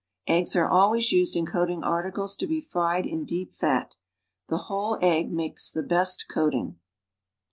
Eggs are always used in coating articles to be fried in deep fat. The whole egg makes the best coating.